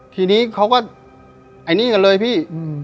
ทีนี้เขาก็ไอ้นี่กันเลยพี่